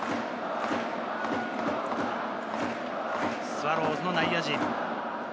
スワローズの内野陣。